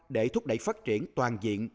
để thúc đẩy phát triển toàn diện